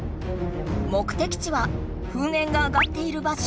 目的地はふんえんが上がっている場所。